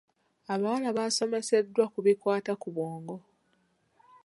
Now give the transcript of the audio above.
Abawala baasomeseddwa ku bikwata ku bwongo.